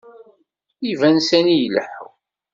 Iban sani ileḥḥu.